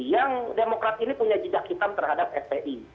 yang demokrat ini punya jejak hitam terhadap fpi